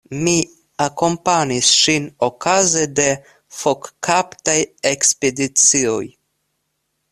Mi akompanis ŝin okaze de fokkaptaj ekspedicioj.